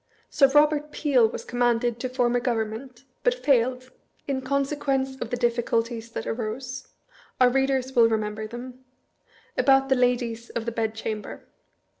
Sir Eobert Peel was commanded to form a Government, but failed, in consequence of the difficulties that arose (our readers will remember them) about the Ladies of the Bedchamber.